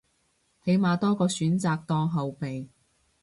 起碼多個選擇當後備